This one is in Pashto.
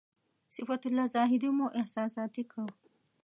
صفت الله زاهدي مو احساساتي کړ.